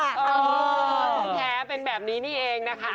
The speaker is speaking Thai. แท้เป็นแบบนี้นี่เองนะคะ